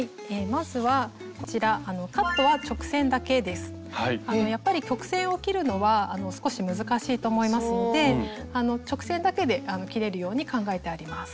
まずはこちらやっぱり曲線を切るのは少し難しいと思いますので直線だけで切れるように考えてあります。